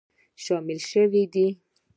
شامل شوي دي